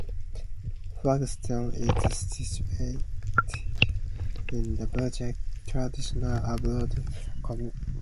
Flagstone is situated in the Bundjalung traditional Aboriginal country.